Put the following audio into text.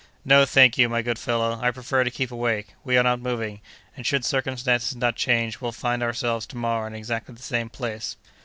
"No, thank you, my good fellow, I prefer to keep awake. We are not moving, and should circumstances not change, we'll find ourselves to morrow in exactly the same place."